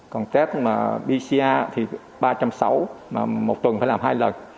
còn test pcr thì ba trăm sáu mươi một tuần phải làm hai lần